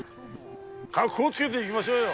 カッコつけていきましょうよ